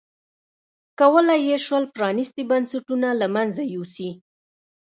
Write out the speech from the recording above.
کولای یې شول پرانیستي بنسټونه له منځه یوسي.